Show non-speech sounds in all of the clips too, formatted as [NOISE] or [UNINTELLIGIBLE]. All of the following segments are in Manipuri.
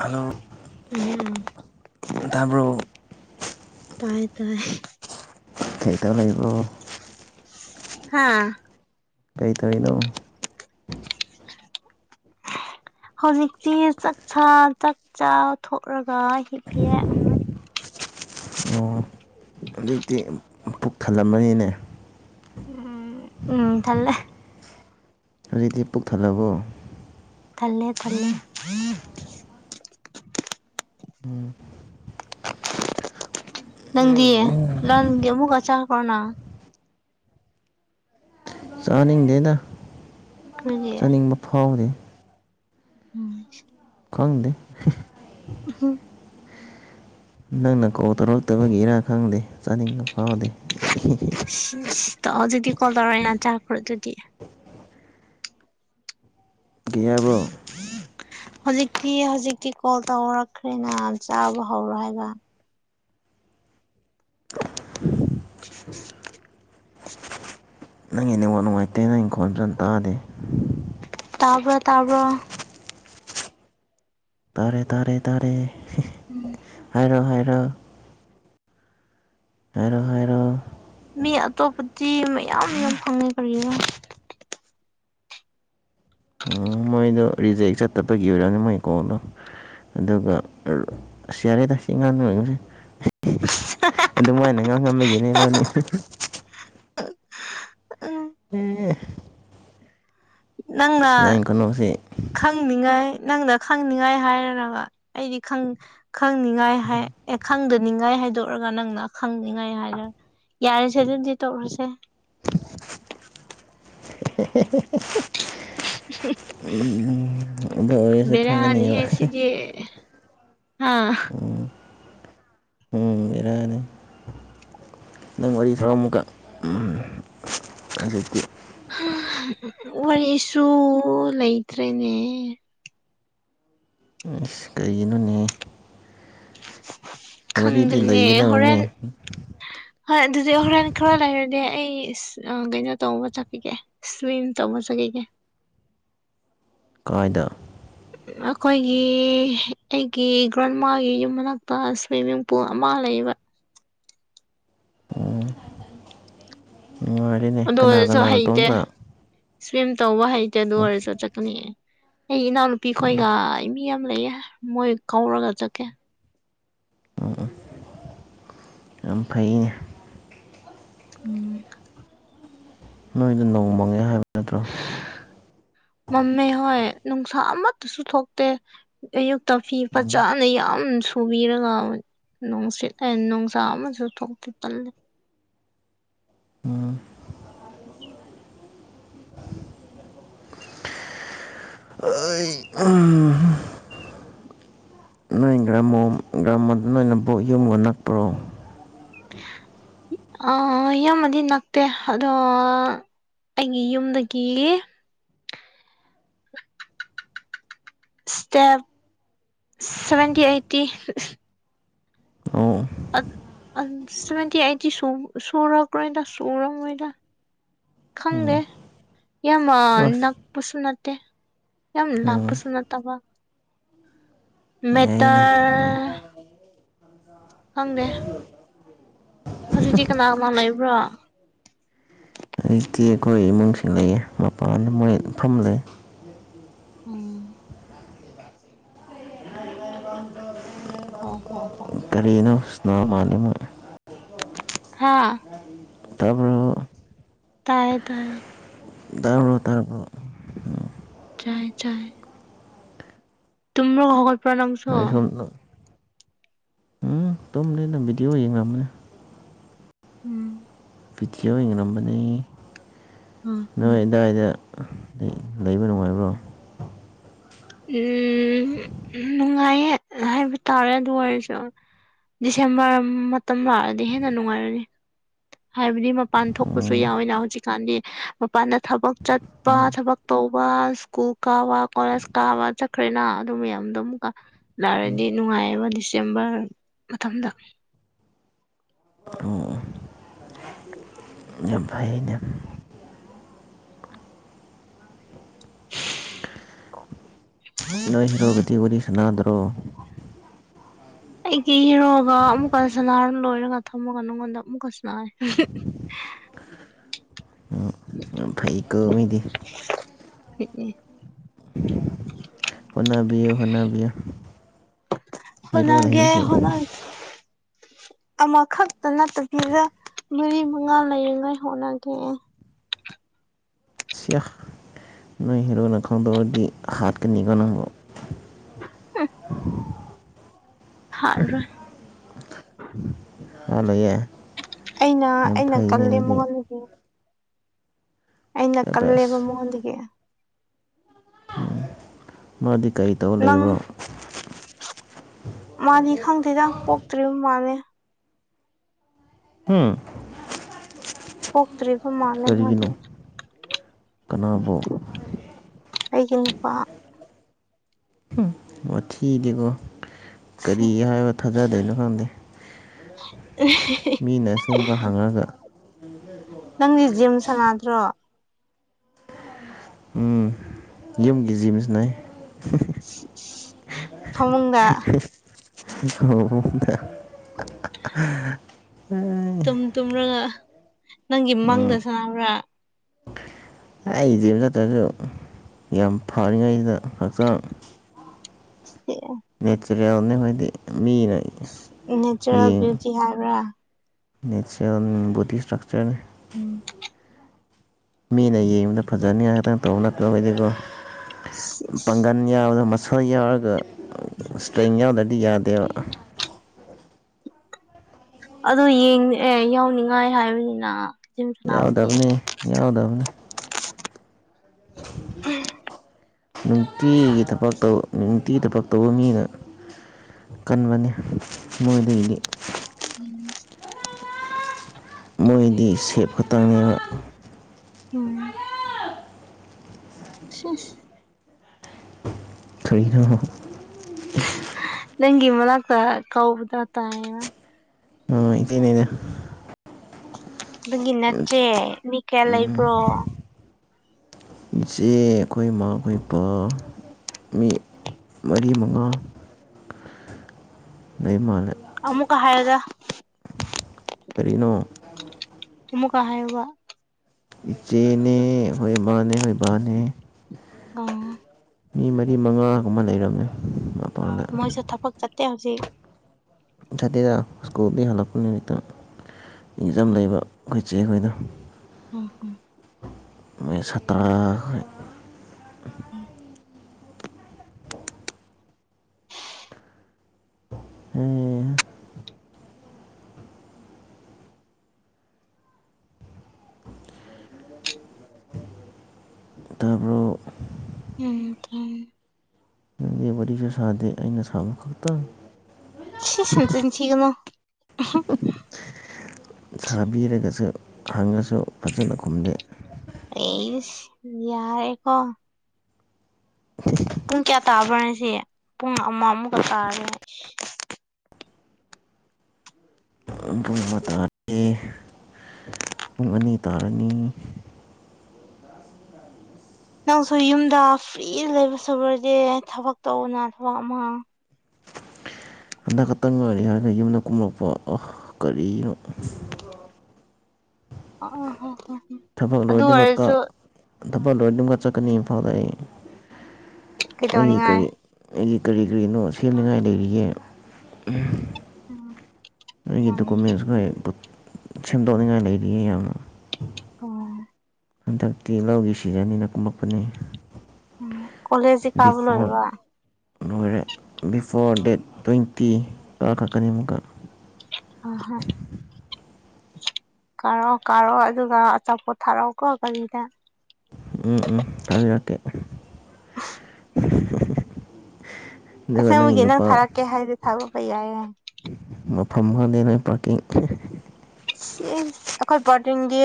ꯍꯂꯣ ꯎꯝ ꯑꯗ ꯍ꯭ꯔꯣ ꯇꯥꯏ ꯇꯥꯏ ꯊꯩ ꯇꯕ ꯂꯕ ꯍꯥꯥ ꯀꯔꯤ ꯇꯔꯤꯅꯣ [INAUDIBLE] ꯍꯧꯖꯤꯛꯇꯁꯤꯤ ꯆꯥꯛꯆꯥ ꯆꯥꯛ ꯆ ꯊꯣꯛꯂꯒ ꯍꯤꯠꯄꯤꯦ ꯑꯣ ꯍꯧꯖꯤꯛꯇꯤ ꯄꯨꯛ ꯊꯜꯂꯝꯃꯅꯤꯅꯦ ꯎꯝ ꯎꯝ ꯊꯜ ꯑꯗꯨꯗꯤ ꯄꯨꯛ ꯊꯜꯂꯕꯣ ꯈꯂꯦ ꯈꯂꯦ ꯅꯪꯗꯤꯌꯦ ꯂꯣꯟꯒꯤ ꯑꯃꯨꯛꯀꯆꯥꯥ ꯀꯅꯥ ꯆꯥꯅꯤꯡꯗꯦꯅ ꯀꯔꯤꯒꯤ ꯆꯥꯅꯤꯡꯕ ꯐꯥꯎꯗꯦ ꯎꯝ ꯈꯪꯅꯦ ꯍꯝ ꯅꯪꯅ ꯀꯧ ꯇꯧꯔꯛꯇꯕꯒꯤ ꯏꯔꯥꯡ ꯈꯪꯗꯦ ꯆꯥꯅꯤꯡꯕ ꯐꯥꯎꯗꯦ ꯍꯧꯖꯤꯗꯤ ꯀꯂꯔ ꯑꯅ ꯆꯥꯄ꯭ꯔꯣꯗꯨꯗꯤ ꯀꯩ ꯎ ꯍꯥꯏꯕ꯭ꯔꯣ ꯍ ꯍꯧꯖꯤꯛꯇꯤ ꯍꯧꯖꯤꯛꯇꯤ ꯀꯣꯜ ꯇꯧꯔꯛꯈ꯭ꯔꯦꯅ ꯆꯥꯕ ꯍꯧꯔꯣ ꯍꯥꯏꯕ [INAUDIBLE] ꯍꯅꯤꯡꯋꯥ ꯅꯨꯡꯉꯥꯏꯇꯦꯅ ꯏꯪꯈꯣꯜ ꯐꯅ ꯇꯥꯗꯦ ꯇꯄ ꯇꯕ ꯇꯥꯔꯦ ꯇꯥꯔꯦ ꯇꯥꯔꯦ ꯎꯝ ꯍꯥꯏꯔꯣ ꯍꯥꯏꯔꯣ ꯍꯥꯏꯔꯣ ꯍꯥꯏꯔꯣ ꯃꯤ ꯑꯇꯣꯞꯄꯗꯤ ꯃꯌꯥꯝ ꯌꯥꯝ ꯈꯪꯉꯦ ꯀꯔꯤꯅꯣ ꯃꯣꯏꯗꯣ ꯔꯤꯖꯦꯛ ꯆꯠꯇꯕꯒꯤ ꯑꯣꯏꯔꯛꯅꯤ ꯃꯣꯏ ꯀꯣꯜꯗꯣ ꯑꯗꯨꯒ ꯁꯤꯌꯥꯔꯦꯗꯁꯤ ꯏ ꯉꯥꯡꯉꯁꯦ ꯑꯗꯨꯃꯥꯏꯅ ꯉꯥꯡ ꯉꯝꯃꯒꯤꯅꯦ ꯃꯥꯅꯤ ꯎꯝ ꯅꯪꯅ ꯅꯪ ꯀꯩꯅꯣꯁꯦ ꯈꯪꯅꯤꯉꯥꯏ ꯅꯪꯅ ꯈꯪꯅꯤꯡꯉꯥꯏ ꯍꯥꯏꯔꯒ ꯑꯩꯗꯤ ꯈꯪꯅꯤꯡꯉꯥꯏ ꯍꯥꯏ ꯑꯦ ꯈꯪꯗꯅꯤꯡꯉꯥꯏ ꯍꯥꯏꯗꯣꯛꯑꯒ ꯅꯪꯅ ꯈꯪꯅꯤꯉꯥꯏ ꯍꯥꯏꯔꯒ ꯌꯥꯔꯁꯦ ꯑꯗꯨꯗꯤ ꯇꯣꯛꯔꯁꯦ ꯍꯦꯍꯦꯍꯦꯍꯦ ꯑꯗꯨ ꯑꯣꯏꯔꯁꯨ ꯈꯪꯒꯅꯦꯕ ꯕꯦꯔꯅꯤꯍꯦ ꯁꯤꯗꯤ ꯑꯥ ꯎꯝ ꯕꯦꯔꯥꯅꯤ ꯅꯪ ꯋꯥꯔꯤ ꯈꯔ ꯑꯃꯨꯛꯀ ꯍꯧꯖꯤꯛꯇꯤ ꯋꯥꯔꯤꯁꯨ ꯂꯩꯇ꯭ꯔꯦꯅꯦ ꯑꯁ ꯀꯩꯒꯤꯅꯣꯅꯦ ꯋꯥꯔꯤꯗꯤ ꯈꯪꯗ꯭ꯅꯦ ꯍꯣꯔꯦꯟ ꯂꯩꯒꯗꯕꯅꯦ ꯍꯣꯏ ꯑꯗꯨꯗꯤ ꯍꯣꯔꯦꯟ ꯈꯔ ꯂꯩꯔꯗꯤ ꯑꯩ ꯀꯩꯅꯣ ꯇꯧꯕ ꯆꯠꯈꯤꯒꯦ ꯁ꯭ꯋꯤꯝ ꯇꯧꯕ ꯆꯠꯈꯤꯒꯦ [INAUDIBLE] ꯀꯥꯏꯗ ꯑꯩꯈꯣꯏꯒꯤ ꯑꯩꯒꯤ ꯒ꯭ꯔꯥꯟꯃꯥꯒꯤ ꯌꯨꯝ ꯃꯅꯥꯛꯇ ꯁ꯭ꯋꯤꯝꯃꯤꯡ ꯄꯨꯜ ꯑꯃ ꯂꯩ [INAUDIBLE] ꯎꯝ ꯉꯥꯏꯔꯤꯅꯦ ꯑꯗꯨ ꯀꯅꯥ ꯑꯣꯏꯔꯁꯨ ꯍꯩꯇꯦ ꯀꯅꯥꯅꯇꯣꯝꯇ ꯁ꯭ꯋꯤꯝ ꯇꯧꯕ ꯍꯩꯇꯦ ꯑꯗꯨ ꯑꯣꯏꯔꯁꯨ ꯆꯠꯀꯅꯤꯑ ꯑꯩ ꯏꯅꯥꯎꯅꯨꯄꯤꯈꯣꯏꯒ ꯃꯤ ꯑꯃ ꯂꯩꯌꯦ ꯃꯣꯏ ꯀꯧꯔꯒ ꯆꯠꯀꯦ ꯎ ꯑ ꯐꯩꯅꯦ ꯎꯝ ꯅꯣꯏꯗ ꯅꯣꯡꯃꯉꯦ ꯍꯥꯏꯕ ꯅꯠꯇ꯭ꯔꯣ ꯃꯝꯃꯤ ꯍ ꯅꯨꯡꯁꯥ ꯑꯃꯠꯇꯁꯨ ꯊꯣꯛꯇꯦ ꯑꯌꯨꯛꯇ ꯐꯤ ꯐꯖꯅ ꯌꯥꯝ ꯐꯨꯕꯤꯔꯒ ꯅꯨꯡꯁꯤꯠ ꯅꯨꯡꯁꯥ ꯑꯃꯁꯨ ꯊꯣꯛꯇꯤ ꯇꯜꯂꯤ [INAUDIBLE] ꯎ ꯑꯩ ꯅꯣꯏ ꯒ꯭ꯔꯃꯣ ꯒ꯭ꯔꯃꯣꯗ ꯅꯣꯏꯅꯕꯨ ꯌꯨꯝꯒ ꯅꯛꯄ꯭ꯔꯣ ꯑ ꯏꯃꯗꯤ ꯅꯛꯇꯦ ꯑꯗꯣ ꯑꯩꯒꯤ ꯌꯨꯝꯗꯒꯤ [UNINTELLIGIBLE] ꯁ꯭ꯇꯦꯞ ꯁꯚꯦꯟꯇꯤ ꯑꯩꯇꯤ ꯑꯣ ꯑ ꯑꯟꯁ ꯁꯚꯦꯟꯇꯤ ꯑꯩꯠꯇꯤ ꯁꯨꯝ ꯁꯨꯔꯛꯔꯣꯏꯗ ꯁꯨꯔꯝꯃꯣꯏꯗ ꯈꯪꯗꯦ꯫ ꯎꯝ ꯌꯥꯝ ꯑ ꯑꯁ ꯅꯛꯄꯁꯨ ꯅꯠꯇꯦ ꯌꯥꯝ ꯎꯝ ꯂꯥꯞꯄꯁꯨ ꯅꯠꯇꯕ꯫ ꯌꯥꯏꯅꯦ ꯃꯦꯇꯔ ꯈꯪꯗꯦ꯫ ꯍꯧꯖꯤꯛꯇꯤ ꯀꯅꯥ-ꯀꯅꯥ ꯂꯩꯕ꯭ꯔꯥ꯫ ꯍꯧꯖꯤꯛꯇꯤ ꯈꯣꯏ ꯏꯃꯨꯡ ꯁꯤꯡ ꯂꯩꯏꯌꯦ ꯃꯄꯥꯟꯗ ꯃꯣꯏ ꯐꯝ ꯂꯩ꯫ ꯎꯝ꯫ ꯑꯣ ꯍꯣ ꯍꯣ꯫ ꯀꯔꯤꯅꫭ ꯁꯅꯥ ꯃꯥꯜꯂꯦ ꯃꫭꯏ꯫ ꯍꯥꯥ꯫ ꯇꯥꯕ꯭ꯔ꯫ꫭ ꯇꯥꯏꯌꯦ-ꯇꯥꯏꯌꯦ꯫ ꯇꯥꯕ꯭ꯔꯣ ꯇꯥꯕ꯭ꯔꯣ ꯆꯥꯏ-ꯆꯥꯏ꯫ ꯇꯝꯔꯒ ꯍꯧꯒꯠꯄ꯭ꯔ ꯅꯪꯁꯨ꯫ ꯅꯣꯏ ꯁꯣꯝꯗ ꯑꯝ ꯕꯤꯗꯤꯌꫭ ꯌꯦꯡꯔꯝꯕꯅꯦ꯫ ꯎꯝ ꯄꯤꯊꯤ ꯑꯣ ꯌꯦꯡꯔꯝꯕꯅꯤ ꯎꯝ ꯅꯣꯏ ꯎꯝ ꯑꯗꯥꯏꯗ ꯂꯩꯕ ꯅꯨꯡꯉꯥꯏꯕ꯭ꯔꯣ ꯎꯝ ꯅꯨꯡꯉꯥꯏꯌꯦ ꯍꯥꯏꯕ ꯇꯥꯔꯦ ꯑꯗꯨ ꯑꯣꯏꯔꯁꯨ ꯗꯤꯁꯦꯝꯕꯔ ꯃꯇꯝ ꯂꯥꯛꯔꯗꯤ ꯍꯦꯟꯅ ꯅꯨꯡꯉꯥꯏꯔꯅꯤ꯫ ꯍꯥꯏꯕꯗꯤ ꯃꯄꯥꯟ ꯊꯣꯛꯄꯁꯨ ꯎꯝ ꯌꯥꯎꯋꯤꯅ ꯍꯧꯖꯤꯛꯀꯥꯟꯗꯤ ꯃꯄꯥꯟꯗ ꯊꯕꯛ ꯆꯠꯄ ꯊꯕꯛ ꯇꯧ ꯇꯧꯕꯥ ꯁ꯭ꯀꯨꯜ ꯀꯥꯕ ꯀꫭꯂꯦꯖ ꯀꯥꯕ ꯆꯠꯈ꯭ꯔꯦꯅ ꯑꯗꯨ ꯃꯌꯥꯝ ꯑꯗꯨ ꯃꯨꯛꯀ ꯂꯥꯔꯗꯤ ꯅꯨꯡꯉꯥꯏꯑꯦꯕ ꯗꯤꯁꯦꯝꯕꯔ ꯃꯇꯝꯗ ꯑꯣ꯫ ꯐꯩꯅꯦ ꯅꯣꯏ ꯍꯦꯔꯣꯒꯗꯤ ꯋꯥꯔꯤ ꯁꯅꯥꯗ꯭ꯔꯣ꯫ ꯑꯩꯒꯤ ꯍꯤꯔꯣꯒ ꯑꯃꯨꯛꯀ ꯁꯅꯥꯔ ꯂꯣꯏꯔꯒ ꯊꯝꯃꯒ ꯅꯪꯉꯣꯟꯗ ꯑꯃꯨꯛꯀ ꯁꯅꯥꯏ꯫ [UNINTELLIGIBLE] [UNINTELLIGIBLE] ꯑꯩ ꯀꫭ ꯃꯤꯗꯤ꯫ ꯎꯝ ꯎꯝ꯫ ꯍꯣꯅꯥꯕꯤꯌꯨ-ꯍꯣꯅꯥꯕꯤꯌꯨ꯫ ꯍꯣꯠꯅꯒꯦ ꯍꯣꯠꯅ [INAUDIBLE] ꯑꯃꯈꯛꯇ ꯅꯠꯇꯕꯤꯗ ꯃꯔꯤ ꯃꯉꯥ ꯂꯩꯅꯉꯥꯏ ꯍꫭꯠꯅꯒꯦ꯫ ꯆꯌꯥ ꯅꯣꯏ ꯍꯦꯔꫭꯅ ꯈꯪꯗꫭꯛꯑꯗꯤ ꯍꯥꯠꯀꯅꯤꯀꫭ ꯅꯪꯕꯨ꯫ [UNINTELLIGIBLE] [UNINTELLIGIBLE] ꯑ ꯂꯩꯌꯦ ꯑꯩꯅ ꯑꯩꯅ ꯀꯜꯂꯦ ꯃꯉꯣꯟꯗꯒꯤ꯫ ꯑꯩꯅ ꯀꯜꯂꯦꯕ ꯁꯕꯥꯁ ꯃꯉꯣꯟꯗꯒꯤ꯫ ꯃꯥꯗꯤ ꯀꯔꯤ ꯇꯧ ꯅꯪ ꯂꯩꯕ꯭ꯔꯣ꯫ ꯃꯥꯗꯤ ꯈꯪꯗꯦꯗ ꯄꯣꯛꯇ꯭ꯔꯤꯕ ꯃꯥꯂꯦ꯫ ꯎꯝ꯫ ꯄꯣꯛꯇ꯭ꯔꯤꯕ ꯃꯥꯜꯂꯦ ꯃꯥꯗꯤ꯫ ꯀꯔꯤꯒꯤꯅꯣ ꯀꯅꯥꯕꯨ꯫ ꯑꯩꯒꯤ ꯅꯨꯄꯥ ꯃꯊꯤꯗꯤꯀꯣ ꯀꯔꯤ ꯍꯥꯏꯕ ꯊꯥꯖꯗꯣꯏꯅꯣ ꯈꯪꯗꯦ ꯃꯤꯅ ꯑꯁꯦꯡꯕ ꯍꯪꯉꯒ ꯅꯪꯗꯤ ꯖꯤꯝ ꯁꯥꯟꯅꯗ꯭ꯔꯣ ꯌꯨꯝꯒꯤꯖꯤꯝꯁꯅꯦ [INAUDIBLE] ꯊꯃꯨꯡꯗ ꯗ ꯑꯦ [UNINTELLIGIBLE] ꯇꯨꯝ ꯇꯨꯝꯔꯒ ꯅꯪꯒꯤ ꯎꯝ ꯃꯪꯗ ꯁꯥꯟꯅꯕ꯭ꯔꯥ ꯑꯩ ꯏꯆꯦ ꯈꯛꯇ꯭ꯔꯁꯨ ꯌꯥꯝ ꯐꯔꯤꯉꯩꯁꯤꯗ ꯍꯛꯆꯥꯡ ꯅꯦꯆꯔꯦ ꯑꯣꯟꯅ ꯍꯗꯤ ꯅꯦꯆꯔꯦꯜ ꯕ꯭ꯌꯨꯇꯤ ꯍꯥꯏꯕ꯭ꯔꯥ ꯅꯦꯆꯔꯦꯜ ꯣꯗꯤ ꯏꯁꯇ꯭ꯔꯛꯆꯔ ꯎꯝ ꯃꯤꯅ ꯌꯦꯡꯕꯗ ꯐꯖꯅꯤꯉꯥꯏ ꯈꯇꯪ ꯇꯧꯕ ꯅꯠꯇꯕꯗꯤꯀꯣ ꯄꯥꯡꯒꯟ ꯌꯥꯕꯗ ꯁ ꯌꯥꯒ ꯁꯇ꯭ꯔꯦꯥ ꯀꯗꯤ ꯌꯥꯗ ꯑꯗꯨꯡ ꯑꯦ ꯌꯥꯎꯅꯤꯡꯉꯥꯏ ꯍꯥꯏꯕꯅꯤꯅ ꯁꯅꯥꯑꯣ ꯁꯤ ꯌꯥꯎꯗꯕꯅꯤ ꯌꯥꯎꯗꯕꯅꯤ ꯅꯨꯡꯇꯤꯒꯤ ꯊꯕꯛ ꯇ ꯅꯨꯡꯇꯤꯒꯤ ꯊꯕꯛ ꯇꯧꯕ ꯃꯤꯅ ꯀꯟꯕꯅꯤ ꯃꯣꯏꯗꯒꯤꯗꯤ ꯃꯣꯏꯗꯤ ꯁꯦꯠ ꯈꯨꯇꯥꯡꯅꯤ ꯎꯝ [INAUDIBLE] ꯀꯅ ꯂꯪꯒꯤ ꯃꯂꯀ ꯀꯥꯎꯗ ꯇꯥ ꯏꯆꯅꯦꯅ ꯑꯗꯨꯒꯤ ꯅꯠꯇꯦ ꯃꯤ ꯀꯌꯥ ꯂꯩꯕ꯭ꯔꯣ ꯆꯦ ꯑꯩꯈꯣꯏꯃ ꯑꯩꯏꯕ ꯃꯤ ꯃꯔꯤ ꯃꯉꯥꯡ ꯂꯩ ꯃꯥꯂ ꯑꯃꯨꯛꯀ ꯍꯥꯏꯔꯒ ꯀꯔꯤꯅꯣ ꯑꯃꯃꯨꯀ ꯍꯥꯏꯕ ꯆꯦꯅꯦ ꯃꯥꯅꯦ ꯥꯅꯦ ꯑ ꯃꯤ ꯃꯔꯤ ꯃꯉꯥꯒꯨꯝ ꯑꯃ ꯂꯩꯔꯝꯃꯦ ꯃꯄꯥꯟꯗ ꯃꯣꯏ ꯆ ꯊꯄꯛ ꯆꯦ ꯍꯧꯁꯤ ꯁꯥꯇꯦꯗ ꯁ꯭ꯀꯨꯜꯗꯒꯤ ꯍꯜꯂꯛꯄ ꯅꯨꯃꯤꯠꯇ ꯑꯦꯛꯖꯥꯝ ꯂꯩꯕ ꯑꯩꯈꯣꯏ ꯆꯦ ꯑꯩꯈꯣꯏꯅ ꯑ ꯍꯣ ꯁꯥꯇꯔꯥ ꯎꯝ ꯎꯝ ꯇꯥꯕ꯭ꯔꯣ ꯎꯝ ꯀ ꯋꯥꯔꯤꯔꯤꯁ ꯁꯥꯗꯦ ꯑꯩꯅ ꯁꯥꯕ ꯈꯛꯇꯪ ꯁꯤꯁ ꯆ ꯆꯅꯣ ꯁꯥꯕꯤꯔꯒꯁꯨ ꯍꯪꯉꯁꯨ ꯐꯖꯅ ꯈꯨꯝꯗꯦ ꯇꯩꯁ ꯌꯥꯔ ꯑꯦ ꯄꯨꯡ ꯀꯌꯥ ꯇꯥꯕꯅ ꯍꯥꯏꯁꯦ ꯄꯨꯡ ꯑꯃ ꯑꯃꯨꯛꯀ ꯇꯥꯔꯒꯦ ꯄꯨꯡ ꯑꯃ ꯄꯨꯡ ꯑꯅꯤ ꯇꯥꯔꯅꯤ ꯅꯪꯁꯨ ꯌꯨꯝꯗ ꯐ꯭ꯔꯤ ꯂꯩꯕ ꯁꯕꯗꯤ ꯊꯕꯛ ꯇꯧꯅ ꯊꯕꯛ ꯑꯃ ꯍꯟꯗꯛ ꯈꯛꯇꯪ ꯉꯥꯏꯔꯤ ꯍꯥꯏꯔꯒ ꯌꯨꯝꯗ ꯀꯨꯝꯂꯛꯄ ꯀꯔꯤꯅꯣ ꯑꯣ ꯑ ꯍꯣ ꯊꯕꯛ ꯂꯣꯏꯗꯕꯀ ꯊꯕꯛ ꯂꯣꯏꯕ ꯀ ꯆꯠꯀꯅꯤ ꯏꯝꯐꯥꯜꯗ ꯑꯩ ꯑꯩ ꯀ ꯀꯩꯗꯧꯅꯤꯡꯉꯥꯏ ꯑꯩꯒꯤ ꯀꯔꯤ ꯀꯔꯤꯅꯣ ꯁꯦꯝꯅꯤꯡꯉꯥꯏ ꯂꯩꯔꯤꯒꯦ ꯎꯝ ꯑꯩꯒꯤ ꯗꯣꯀꯨꯃꯦꯟꯁ ꯈ ꯁꯦꯝꯗꯣꯛꯅꯤꯡꯉꯥꯏ ꯂꯩꯔꯤꯌꯦ ꯌꯥꯝꯅ ꯑꯣ ꯍꯟꯗꯛꯇꯤ ꯂꯧꯒꯤ ꯁꯤꯖꯟꯅꯤꯅ ꯀꯨꯝꯃꯛꯄꯅꯦ ꯀꯂꯖ ꯈꯕ ꯂꯔꯔꯕ ꯅꯣꯏꯔꯦ ꯕꯤꯐꯣꯔ ꯗꯦꯠ ꯇ꯭ꯋꯦꯟꯇꯤ ꯀꯥꯈꯛꯀꯅꯤ ꯑꯃꯨꯛꯀꯛ ꯑ ꯍ ꯀꯥꯔꯛꯑꯣ ꯀꯥꯔꯣ ꯑꯗꯨꯒ ꯑꯆꯥꯄꯣꯠ ꯊꯥꯔꯛꯑꯣꯀꯣ ꯀꯒꯥꯔꯤꯗ ꯎꯝ ꯎꯝ ꯊꯥꯕꯤꯔꯛꯀꯦ [INAUDIBLE] ꯑꯁꯦꯡ ꯅꯪꯒꯤ ꯃꯒꯤ ꯅꯪ ꯅꯨꯄꯥ ꯊꯥꯔꯛꯀꯦ ꯍꯥꯏꯔꯗꯤ ꯊꯥꯗꯣꯛꯄ ꯌꯥꯏꯌꯦ ꯃꯐꯝ ꯑꯃ ꯂꯩꯅ ꯄꯥꯔꯀꯤꯡ ꯁꯤ ꯑꯩꯈꯣꯏ ꯄꯥꯔꯇꯡꯒꯤ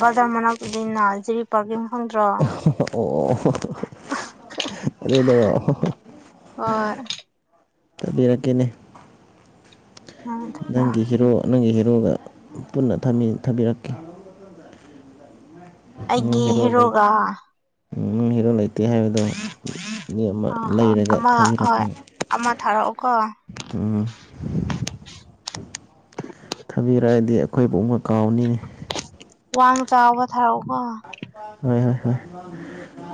ꯕꯖꯥꯔ ꯃꯅꯥꯛꯇꯨꯗꯅ ꯖꯤꯔꯤ ꯄꯥꯔꯀꯤꯡ ꯈꯪꯗ꯭ꯔꯣ ꯑꯣ ꯑꯗꯨꯗ ꯍꯪꯏ ꯇꯥꯕꯤꯔꯛꯀꯦꯅꯦ ꯅꯪꯒꯤ ꯍꯤꯔꯣ ꯅꯪꯒꯤ ꯍꯤꯔꯣꯒ ꯄꯨꯟꯅ ꯊꯝꯕꯤꯔꯛꯀꯦ ꯑꯩꯒꯤ ꯍꯦꯔꯣꯒ ꯍꯤꯔꯣꯜ ꯂꯩꯇꯦ ꯍꯥꯏꯕꯗꯣ ꯌꯦ ꯑꯃ ꯑ ꯍꯣꯏ ꯂꯩꯔꯒ ꯑꯃ ꯍꯣꯏ ꯊꯥꯕꯤꯔꯀꯅꯤ ꯑ ꯑꯃ ꯊꯥꯔꯛꯑꯣꯀꯣ ꯊꯥꯕꯤꯔꯛꯑꯗꯤ ꯑꯩꯈꯣꯏꯕꯨꯨꯡꯕ ꯀꯥꯎꯅꯤ ꯋꯥꯟ ꯆꯕ ꯍ ꯍ ꯍ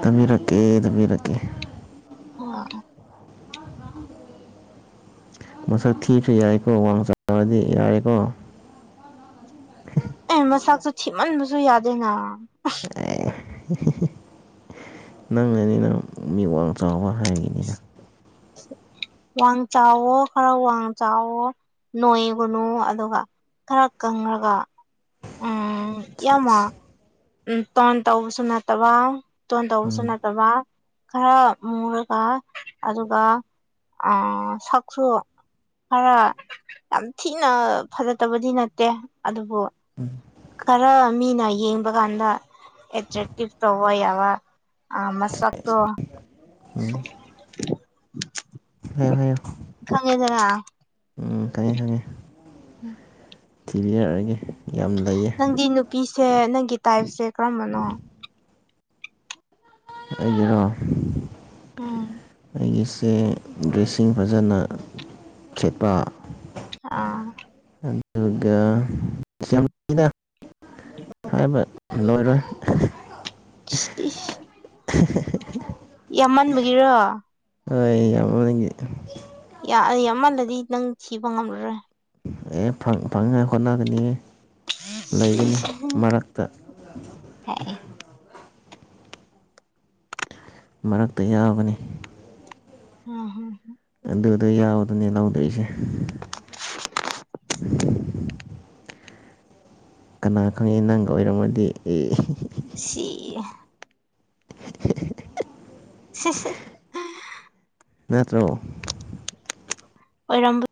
ꯇꯝꯕꯤꯔꯛꯀꯦ ꯊꯝꯕꯤꯔꯛꯀꯦ ꯑꯣ ꯃꯁꯛ ꯊꯤꯔ ꯌꯥꯏ ꯀꯧꯕ ꯋꯥꯁ ꯑꯋꯥꯗꯤ ꯌꯥ ꯀꯧꯕ ꯑꯦ ꯃꯁꯥꯛꯁꯨ ꯊꯤꯃꯟꯕꯁꯨ ꯌꯥꯗꯦꯅ ꯑ ꯅꯪ ꯑꯅꯤ ꯅꯪ ꯃꯤꯋꯥꯡ ꯆꯥꯎꯕ ꯍꯥꯏꯕꯅꯤꯅ [INAUDIBLE] ꯋꯥꯡ ꯆꯥꯎꯋꯣ ꯈꯔ ꯋꯥꯡ ꯆꯥꯎꯋ ꯅꯣꯏꯒꯅꯨ ꯑꯗꯨꯒ ꯈꯔ ꯀꯪꯉꯒ ꯑ ꯎ ꯇꯣꯟꯣꯟ ꯇꯧꯕꯁꯨ ꯅꯠꯇꯕ ꯇꯣꯟꯣꯟ ꯇꯧꯕꯁꯨ ꯎꯝ ꯅꯠꯇꯕ ꯈꯔ ꯃꯨꯔꯒ ꯑꯗꯨꯒ ꯁꯛꯁꯨ ꯈꯔ ꯌꯥꯝ ꯊꯤꯅ ꯐꯖꯠꯇꯕꯗꯤ ꯅꯠꯇꯦ ꯑꯗꯨꯕꯨ ꯈꯔ ꯃꯤꯅ ꯌꯦꯡꯕ ꯀꯥꯟꯗ ꯑꯦꯇ꯭ꯔꯦꯛꯇꯤꯞ ꯇꯧꯕ ꯌꯥꯕ ꯑ ꯃꯁꯥꯛ ꯇꯣ ꯎꯝ ꯍ ꯍꯣꯏ ꯈꯪꯉꯦꯗꯅ ꯎꯝ ꯈꯪꯉꯦ ꯈꯪꯉꯤ ꯎꯝ ꯊꯤꯕꯤ ꯌꯥꯔꯒꯦ ꯅꯪꯗꯤ ꯅꯨꯄꯤꯁꯦ ꯅꯪꯒꯤ ꯇꯥꯏꯞꯁꯦ ꯀꯔꯝꯕꯅꯣ ꯑꯩꯖꯔꯣ ꯎꯝ ꯑꯩꯒꯤꯁꯦ ꯗ꯭ꯔꯦꯁꯤꯡ ꯐꯖꯅ ꯁꯦꯠꯄ ꯑꯥ ꯑꯗꯨꯒ ꯌꯥꯝ ꯊꯤꯅꯥ ꯍꯥꯏꯕ ꯂꯣꯏꯔꯣꯏ ꯏꯁ ꯍꯤꯍꯦꯍꯦ ꯌꯥꯝꯃꯟꯕꯒꯤꯔꯣ ꯍ ꯑꯩ ꯌꯥꯝ ꯋꯥꯅꯤꯡꯒꯤ ꯌꯥꯝꯃꯜꯂꯗꯤ ꯅꯪ ꯊꯤꯕꯥ ꯉꯝꯂꯔꯣꯏ ꯑꯦ ꯐꯪ ꯐꯪꯅꯥ ꯍꯣꯠꯅꯒꯅꯤꯌꯦ ꯁꯤ ꯂꯩꯒꯅꯤ ꯃꯔꯛꯇ ꯍꯥꯏ ꯃꯔꯛꯇ ꯌꯥꯎꯒꯅꯤ ꯑꯝ ꯍꯝ ꯑꯗꯨꯗ ꯌꯥꯎꯗꯅꯦ ꯂꯧꯗꯣꯏꯁꯦ [INAUDIBLE] ꯀꯅꯥ ꯈꯪꯉꯤ ꯅꯪꯒ ꯑꯣꯏꯔꯝꯃꯗꯤ ꯁꯤ [UNINTELLIGIBLE] ꯍꯍ ꯑ ꯅꯠꯇ꯭ꯔꯣ ꯑꯣꯏꯔꯝꯕ